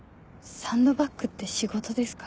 サンドバッグって仕事ですか？